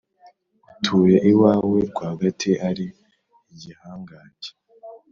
utuye iwawe rwagati, ari Igihangange.»